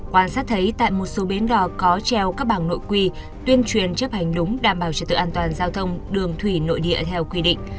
quan sát thấy tại một số bến đò có treo các bảng nội quy tuyên truyền chấp hành đúng đảm bảo trật tự an toàn giao thông đường thủy nội địa theo quy định